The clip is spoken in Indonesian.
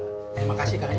terima kasih kak